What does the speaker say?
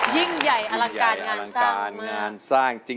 ยิ่งใหญ่อลังการงานสร้าง